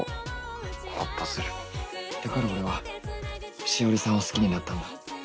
だから俺はしおりさんを好きになったんだ。